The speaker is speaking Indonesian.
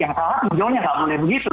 yang salah hijaunya nggak boleh begitu